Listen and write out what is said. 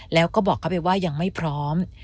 แล้วก็บอกเขาไปว่ายังไม่พร้อม